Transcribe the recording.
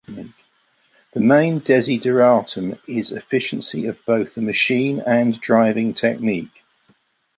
The main desideratum is efficiency of both the machine and driving technique.